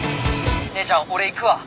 姉ちゃん俺行くわ。